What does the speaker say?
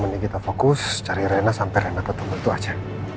mending kita fokus cari rena sampai rena ketemu itu aja